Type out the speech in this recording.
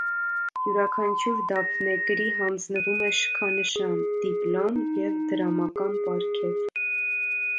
Յուրաքանչյուր դափնեկրի հանձնվում է շքանշան, դիպլոմ և դրամական պարգև։